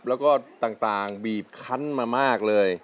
แล้วก็ต่างบีบคันมามากเลย